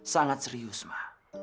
sangat serius ma